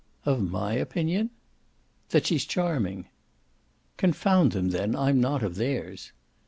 "Of my opinion?" "That she's charming." "Confound them then, I'm not of theirs!"